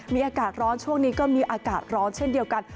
มีอากาศร้อนช่วงนี้ก็มีอากาศร้อนเช่นเดียวกัน